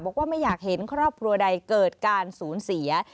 ไม่อยากเห็นครอบครัวใดเกิดการสูญเสีย